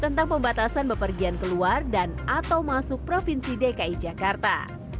tentang pembatasan bepergian keluar dan atau masuk provinsi dki jakarta